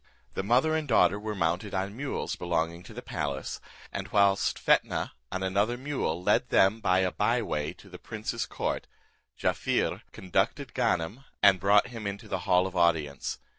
The mother and daughter were mounted on mules belonging to the palace, and whilst Fetnah on another mule led them by a bye way to the prince's court, Jaaffier conducted Ganem, and brought him into the hall of audience.